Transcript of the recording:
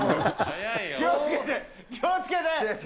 気をつけて、気をつけて。